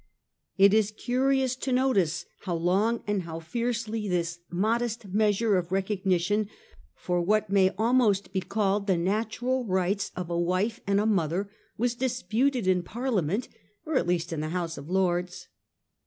It is curious to notice how long and how fiercely this modest measure of recognition for what may almost be called the natural rights of a wife and a mother was disputed in Parliament, or at least in the House of Lords.